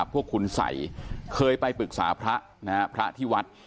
พวกคุณใสเคยไปปรึกษาพระที่วัด